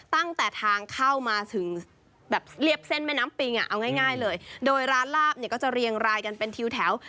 ตั้งแต่ทางเข้ามาถึงแบบเรียบเส้นแม่น้ำปิงอ่ะเอาง่ายเลยโดยร้านลาบเนี่ยก็จะเรียงรายกันเป็นทิวแถว